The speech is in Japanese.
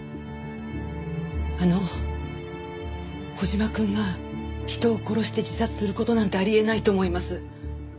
あの小島くんが人を殺して自殺する事なんてあり得ないと思います。